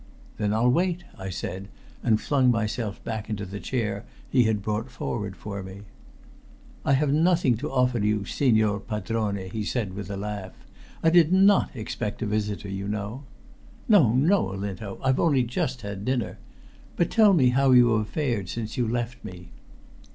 "Then I'll wait," I said, and flung myself back into the chair he had brought forward for me. "I have nothing to offer you, signer padrone," he said, with a laugh. "I did not expect a visitor, you know." "No, no, Olinto. I've only just had dinner. But tell me how you have fared since you left me."